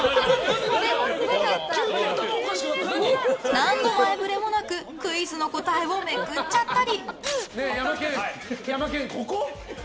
何の前触れもなくクイズの答えをめくっちゃったり。